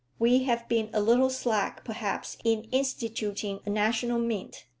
We have been a little slack perhaps in instituting a national mint.